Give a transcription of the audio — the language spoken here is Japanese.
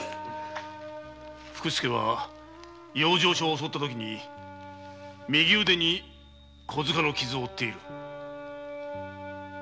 福助は養生所を襲ったとき右腕に小柄の傷を負っている。